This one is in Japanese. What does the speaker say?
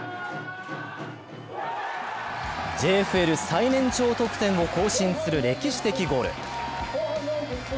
ＪＦＬ最年長得点を更新する歴史的ゴール。